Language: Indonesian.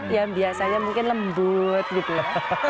yang biasanya mungkin lembut gitu loh